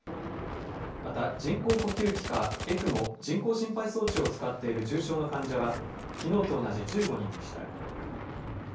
また人工呼吸器かＥＣＭＯ・人工心肺装置を使っている重症の患者は、きのうと同じ１５人でした。